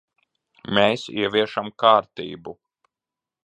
Mēs ieviešam kārtību.